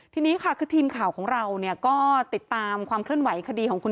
ทีนี้ค่ะคือทีมข่าวของเราเนี่ยก็ติดตามความเคลื่อนไหวคดีของคุณ